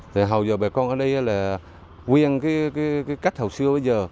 thì hầu giờ bà con ở đây là nguyên cái cách hầu xưa bây giờ